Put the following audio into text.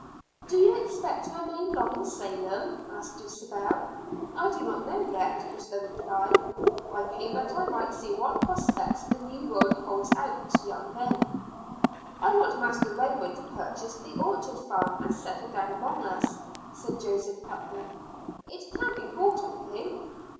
"Do you expect to remain long in Salem?" asked Dulcibel. "I do not know yet," was the reply. "I came that I might see what prospects the new world holds out to young men." "I want Master Raymond to purchase the Orchard Farm, and settle down among us," said Joseph Putnam. "It can be bought I think."